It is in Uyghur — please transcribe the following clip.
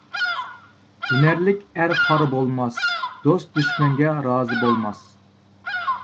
ھۈنەرلىك ئەر خار بولماس، دوست-دۈشمەنگە رازى بولماس.